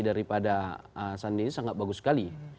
daripada sandi ini sangat bagus sekali